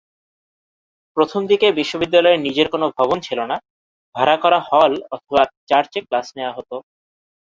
প্রথমদিকে বিশ্ববিদ্যালয়ের নিজের কোন ভবন ছিলনা, ভাড়া করা হল অথবা চার্চে ক্লাস নেওয়া হত।